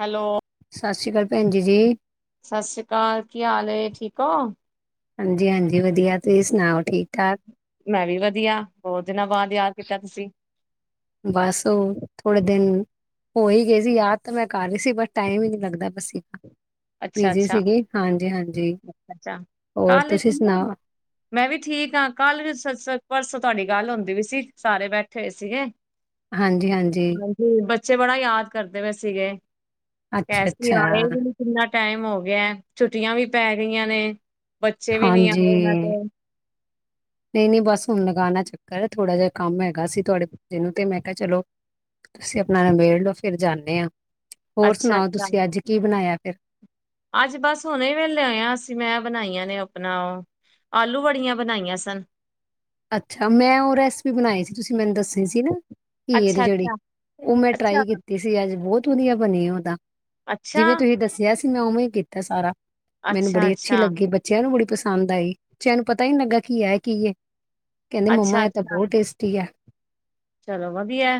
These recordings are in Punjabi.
ਹੈਲੋ, ਸਤਿ ਸ਼੍ਰੀ ਅਕਾਲ ਭੈਣਜੀ ਜੀ, ਸਤਿ ਸ੍ਰੀ ਅਕਾਲ ਕੀ ਹਾਲ ਏ ਠੀਕ ਹੋ। ਹਾਂਜੀ-ਹਾਂਜੀ ਵਧੀਆ, ਤੁਸੀਂ ਸੁਣਾਓ? ਠੀਕ-ਠਾਕ? ਮੈਂ ਵੀ ਵਧੀਆ ਬਹੁਤ ਦਿਨਾਂ ਬਾਅਦ ਯਾਦ ਕੀਤਾ ਤੁਸੀਂ ਬਸ ਉਹ ਥੋੜੇ ਦਿਨ ਹੋ ਹੀ ਗਏ ਸੀ ਯਾਦ ਤਾਂ ਮੈਂ ਕਰ ਰਹੀ ਸੀ ਬਟ ਟਾਈਮ ਹੀ ਨਹੀਂ ਲੱਗਦਾ ਪਿਆ ਸੀ। ਅੱਛਾ-ਅੱਛਾ, ਅੱ ਅੱਛਾ ਹੋਰ ਕੱਲ ਤੁਸੀਂ ਸੁਣਾਓ? ਮੈਂ ਵੀ ਠੀਕ ਆਾਂ ਕੱਲ ਸ-ਸ ਪਰਸੋਂ ਤੁਹਾਡੀੇ ਗੱਲ ਹੁੰਦੀ ਵੀ ਸੀ ਸਾਰੇ ਬੈਠੇ ਹੋਏ ਸੀਗੇ। ਹਾਂਜੀ-ਹਾਂਜੀ, ਹਾਂਜੀ ਬੱਚੇ ਬੜਾ ਯਾਦ ਕਰਦੇ ਪਏ ਸੀਗੇ, ਕੈਸੀ ਆਏ ਅੱਛਾ-ਅੱਛਾ ਨੀ ਇੰਨਾ ਟਾਈਮ ਹੋ ਗਿਆ ਛੁੱਟੀਆਂ ਵੀ ਪੈ ਗਈਆਂ ਨੇ ਬੱਚੇ ਵੀ ਨੀ ਹਾਂਜੀ ਆਏ ਇਹਨਾਂ ਦੇ ਨਹੀਂ-ਨਹੀਂ ਬਸ ਹੁਣ ਲਗਾਣਾ ਚੱਕ ਕਰ ਥੋੜਾ ਜਿਹਾ ਕੰਮ ਹੈਗਾ ਸੀ, ਤੁਹਾਡੇ ਜਿਹਨੂੰ ਤੇ ਮੈਂ ਕਿਹਾ ਚਲੋ ਤੁਸੀਂ ਆਪਣਾ ਨਬੇੜ ਲਓ ਫਿਰ ਜਾਂਨੇ ਹਾਂ ਹੋਰ ਅੱਛਾ ਸੁਣਾਓ, ਅੱਛਾ ਤੁਸੀਂ ਅੱਜ ਕੀ ਬਣਾਇਆ ਫਿਰ ਅੱਜ ਬਸ ਹੁਣੇ ਵੇਲੇ ਹੋਏਆਂ ਅਸੀਂ ਮੈਂ ਬਣਾਈਆਂ ਨੇ ਆਪਣਾ ਉਹ ਆਲੂ ਬੜੀਆਂ ਬਣਾਈਆਂ ਸਨ। ਅੱਛਾ ਮੈਂ ਉਹ ਰੈਸਪੀ ਬਣਾਈ ਸੀ ਤੁਸੀਂ ਮੈਨੂੰ ਦੱਸੀ ਸੀ ਨਾ ਘੀਏ ਦੀ ਅੱਛਾ ਜਿਹੜੀ ਅੱਛਾ ਉਹ ਮੈਂ ਟਰਾਈ ਅੱਛਾ ਕੀਤੀ ਸੀ ਅੱਜ ਬਹੁਤ ਵਧੀਆ ਬਣੀ ਉਹ ਤਾਂ ਅੱਛਾ, ਜਿਵੇਂ ਤੁਸੀਂ ਦੱਸਿਆ ਸੀ ਮੈਂ ਉਵੇਂ ਹੀ ਕੀਤਾ ਸਾਰਾ ਮੈਨੂੰ ਬੜੀ ਅੱਛੀ ਅੱਛਾ-ਅੱਛਾ, ਲੱਗੀ ਬੱਚਿਆਂ ਨੂੰ ਬੜੀ ਪਸੰਦ ਹੁੰਦਾ ਈ ਬੱਚਿਆਂ ਨੂੰ ਪਤਾ ਹੀ ਨੀ ਲੱਗਾ ਕੀ ਹੈ ਕੀ ਏ ਕਹਿੰਦੇ ਮੰਮਾ ਇਹ ਤਾਂ ਅੱਛਾ-ਅੱਛਾ ਬਹੁਤ ਟੇਸਟੀ ਆ ਚਲੋ ਵਧੀਆ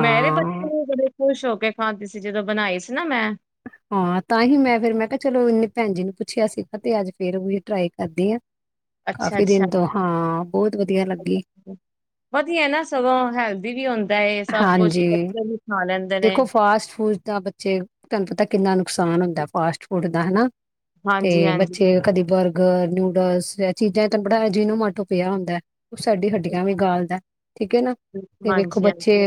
ਮੇਰੇ ਬੱਚੇ ਵੀ ਬੜੇ ਖੁਸ਼ ਹੋ ਕੇ ਖਾਂਦੀ ਸੀ ਜਦੋਂ ਬਣਾਈ ਸੀ ਨਾ ਮੈਂ ਹਾਂ, ਤਾਂਹੀ ਮੈਂ ਫੇਰ ਮੈਂ ਕਿਹਾ ਚਲੋ ਇਨੇ ਭੈਣ ਜੀ ਨੂੰ ਪੁੱਛਿਆ ਸੀਗਾ ਤੇ ਅੱਜ ਫੇਰ ਟਰਾਈ ਕਰਦੀ ਆਂ ਅੱਛਾ ਅੱਛਾ, ਬਹੁਤ ਵਧੀਆ ਲੱਗੀ ਵਧੀਆ ਨਾ ਸਗੋਂ ਹੈਲਦੀ ਵੀ ਹੁੰਦੀ ਹਾਂਜੀ, ਨੇ ਦੇਖੋ ਫਾਸਟ ਫੂਡ ਤਾਂ ਬੱਚੇ, ਤੁਹਾਨੂੰ ਪਤਾ ਕਿੰਨਾ ਨੁਕਸਾਨ ਹੁੰਦਾ ਫਾਸਟ ਫੂਡ ਦਾ ਹਨਾ ਤੇ ਹਾਂਜੀ-ਹਾਂਜੀ। ਬੱਚੇ ਕਦੀ ਬਰ ਬਰਗਰ, ਨੂਡਲਸ ਚੀਜ਼ਾਂ ਐ ਚੀਜ਼ਾਂ ਚ ਬੜਾ ਬਣਾ ਜੀਨੋਮਾਟੋ ਪਿਆ ਹੁੰਦਾ ਹੈ, ਉਹ ਸਾਡੀ ਹੱਡੀਆਂ ਵੀ ਗਾਲਦਾ। ਠੀਕ ਆ ਨਾ, ਤੇ ਵੇਖੋ ਬੱਚੇ ਹਾਂਜੀ-ਹਾਂਜੀ,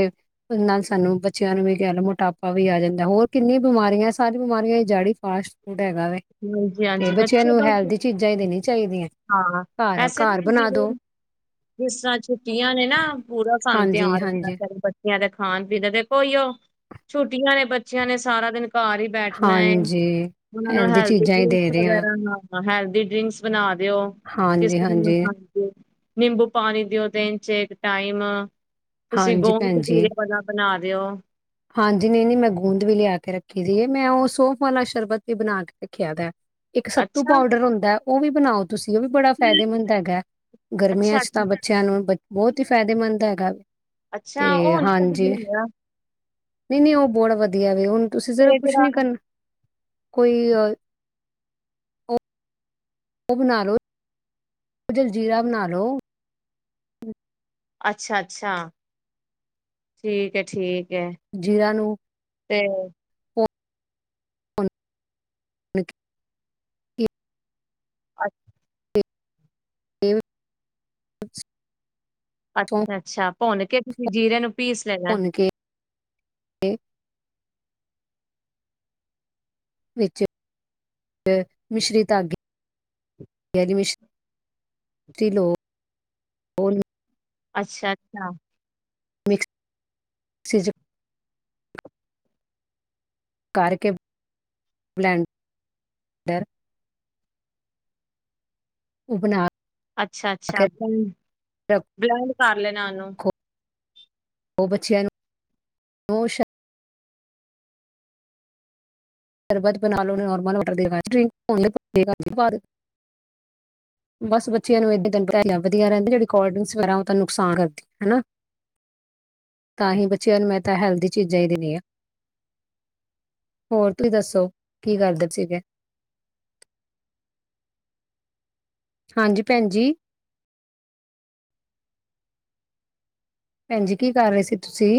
ਇਹ ਨਾਲ ਸਾਨੂੰ ਬੱਚਿਆਂ ਨੂੰ ਵੀ ਕਹਿ ਲਓ ਮੋਟਾਪਾ ਵੀ ਆ ਜਾਂਦਾ। ਹੋਰ ਕਿੰਨੀਆਂ ਬਿਮਾਰੀਆਂ, ਸਾਰੀ ਬਿਮਾਰੀਆਂ ਇਹ ਜਾੜੀ ਹੀ ਫਾਸਟ ਫੂਡ ਹੈਗਾ ਵੇ, ਤੇ ਹਾਂਜੀ-ਹਾਂਜੀ ਬੱਚਿਆਂ ਬੱਚੇ ਨੂੰ ਬਸ ਹੈਲਦੀ ਚੀਜ਼ਾਂ ਹੀ ਦੇਣੀ ਚਾਹੀਦੀਆਂ। ਹਾਂ, ਘਰ ਵੈਸੇ ਘਰ ਨਾ ਬਣਾ ਦੋ ਜਿਸ ਤਰ੍ਹਾਂ ਛੁੱਟੀਆਂ ਨੇ ਨਾ ਪੂਰਾ ਸਾਨੂੰ ਧਿਆਨ ਹਾਂਜੀ ਰੱਖਣਾ ਹਾਂਜੀ ਪੈਂਦਾ। ਬੱਚਿਆਂ ਦੇ ਖਾਣ ਪੀਣ ਤੇ ਕੋਈ, ਉਹ ਛੁੱਟੀਆਂ ਨੇ ਬੱਚਿਆਂ ਨੇ ਸਾਰਾ ਦਿਨ ਘਰ ਹੀ ਬੈਠਣਾ ਆ, ਹਾਂਜੀ ਉਹਨਾਂ ਨੂੰ ਹੈਲਦੀ ਚੀਜ਼ਾਂ ਹੀ ਦੇ ਡਰਿੰਕਸ ਰਹੇ ਹਾਂ ਵਗੈਰਾ ਨਾਲ ਹੈਲਦੀ ਡਰਿੰਕਸ ਬਣਾ ਦਿਓ, ਕਿਸ ਹਾਂਜੀ ਹਾਂਜੀ ਨਿੰਬੂ ਪਾਣੀ ਦਿਓ ਦਿਨ ਚੇ ਟਾਈਮ ਤੁਸੀਂ ਹਾਂਜੀ ਗੋਂਦ ਭੈਣ ਜੀ, ਕਤੀਰੇ ਵਾਲਾ ਬਣਾ ਦਿਓ ਹਾਂਜੀ ਨਹੀਂ ਨਹੀਂ ਮੈਂ ਗੂੰਦ ਵੀ ਲਿਆ ਕੇ ਰੱਖੀ ਦੀ ਆ ਮੈਂ ਉਹ ਸੋਫ ਵਾਲਾ ਸ਼ਰਬਤ ਵੀ ਬਣਾ ਕੇ ਰੱਖਿਆ ਦਾ ਇੱਕ ਸੱਤੂ ਅੱਛਾ ਪਾਊਡਰ ਹੁੰਦਾ। ਉਹ ਵੀ ਬਣਾਓ। ਤੁਸੀਂ ਉਹ ਵੀ ਬੜਾ ਫਾਇਦੇਮੰਦ ਹੈਗਾ, ਅੱਛਾ ਗਰਮੀਆਂ ਚ ਅੱਛਾ ਤਾਂ ਬੱਚਿਆਂ ਨੂੰ ਬਹੁਤ ਹੀ ਫਾਇਦੇਮੰਦ ਹੈਗਾ ਅੱਛਾ ਤੇ ਹੁਣ ਕ ਹਾਂਜੀ ਆ [unintelligible] ਨਹੀਂ ਨਹੀਂ ਉਹ ਬਹੁਤ ਵਧੀਆ ਵ ਉਹ ਤੁਸੀਂ ਜ਼ਰਾ ਤੇ ਕੁਛ ਜਿਹੜਾ ਨੀ ਕਰਨਾ ਕੋਈ ਅ ਉਹ ਉਹ ਬਣਾ ਲੋ ਜਲਜੀਰਾ ਬਣਾ ਲਉ। ਹੂੰ, ਅੱਛਾ-ਅੱਛਾ ਠੀਕ ਹੈ ਠੀਕ ਹੈ ਜੀਰਾ ਨੂੰ ਤੇ ਹੁ ਅੱ ਇਹ ਸੌਂਫ ਅੱਛਾ-ਅੱਛਾ, ਭੁੰਨ ਕੇ ਤੁਸੀਂ ਜ਼ੀਰੇ ਨੂੰ ਪੀਸ ਲੈਣਾ। ਭੁੰਨ [unintelligible] ਵਿੱਚ ਮਿਸ਼ਰੀ ਧਾਗੇ ਮਿਸ਼ ਲੋ ਅੱਛਾ-ਅੱਛਾ, ਮਿਕਸੀ ਚ, ਕਰ ਕੇ ਬਲੈਂਡ ਔ ਬਣਾ ਕੇ ਅੱਛਾ-ਅੱਛਾ, ਰੱਖੋ ਗ੍ਰੈਂਡ ਕਰ ਲੈਣਾ ਉਹਨੂੰ ਹੌ ਬੱਚੀਆਂ ਨੂੰ ਮੋਸ਼ ਬਸ ਬੱਚਿਆਂ ਨੂੰ ਵਧੀਆ ਰਹਿੰਦੀ [unintelligible] ਕੋਲਡਰੀਕ ਨੁਕਸਾਨ ਕਰਦੀ ਹਨ ਤਾਂ ਹੀ ਬੱਚਿਆਂ ਨੂੰ ਮੈਂ ਤਾਂ ਹੈਲਦੀ ਚੀਜ਼ਾਂ ਹੀ ਦੇਨੀ ਆ ਹੋਰ ਤੁਸੀਂ ਦੱਸੋ ਕੀ ਕਰਦੇ ਸੀਗੇ। ਹਾਂਜੀ ਭੈਣ ਜੀ, ਭੈਣਜੀ ਕੀ ਕਰ ਰਹੇ ਸੀ ਤੁਸੀਂ?